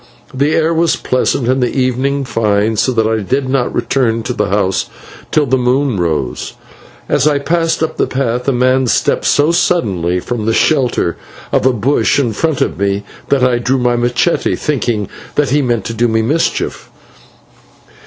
The air was pleasant and the evening fine, so that I did not return to the house till the moon rose. As I passed up the path a man stepped so suddenly from the shelter of a bush in front of me, that I drew my /machete/, thinking that he meant to do me a mischief.